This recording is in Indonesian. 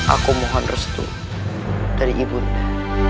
aku mohon restu dari ibunda